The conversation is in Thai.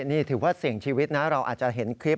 นี่ถือว่าเสี่ยงชีวิตนะเราอาจจะเห็นคลิป